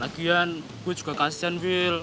lagian gue juga kasihan will